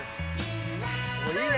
おいいね。